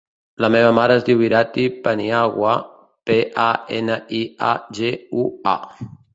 La meva mare es diu Irati Paniagua: pe, a, ena, i, a, ge, u, a.